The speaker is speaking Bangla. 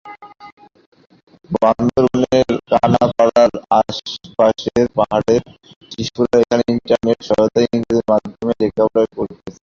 বান্দরবানের কানাপাড়ার আশপাশের পাহাড়ের শিশুরা এখানে ইন্টারনেটের সহায়তায় ইংরেজি মাধ্যমে পড়ালেখা করছে।